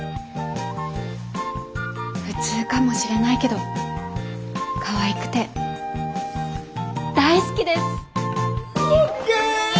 普通かもしれないけどかわいくて大好きです！ＯＫ！